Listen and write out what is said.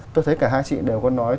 tôi thấy cả hai chị đều có nói